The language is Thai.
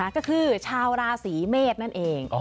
ก็คือชาวราศีเมษนั่นเอง